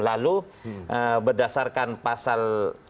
lalu berdasarkan pasal lima puluh delapan